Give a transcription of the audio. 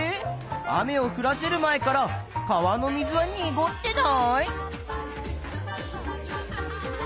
雨をふらせる前から川の水はにごってない？